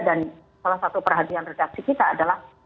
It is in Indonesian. dan salah satu perhatian redaksi kita adalah